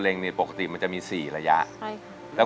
เลิกได้โดยเจ็ดขาดเลย